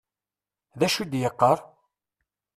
D acu i d-yeqqaṛ?